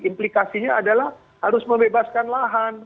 implikasinya adalah harus membebaskan lahan